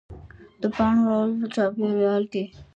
د پاڼو رول په چاپېریال کې